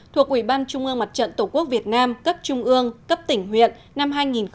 thuộc ủy ban trung ương mặt trận tổ quốc việt nam cấp trung ương cấp tỉnh huyện năm hai nghìn một mươi chín